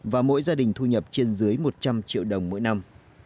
và mỗi gia đình thu nhập trên dưới một trăm linh triệu đồng mỗi năm